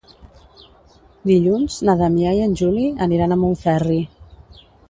Dilluns na Damià i en Juli aniran a Montferri.